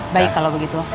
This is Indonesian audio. baik kalau begitu